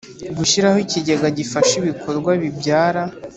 Gushyiraho Ikigega gifasha ibikorwa bibyara